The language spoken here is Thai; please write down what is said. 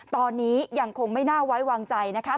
ตอนนี้ยังคงไม่น่าไว้วางใจนะคะ